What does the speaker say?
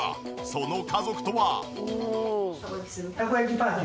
その家族とは。